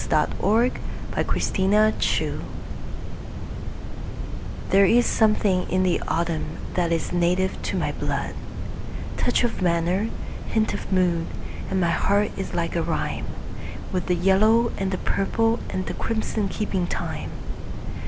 Bliss Carman A Vagabond Song THERE is something in the autumn that is native to my blood—Touch of manner, hint of mood; And my heart is like a rhyme, With the yellow and the purple and the crimson keeping time.